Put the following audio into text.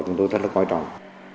chúng tôi rất là quan trọng